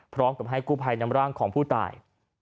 พร้อมกับให้กู้ภัยนำร่างของผู้ตาย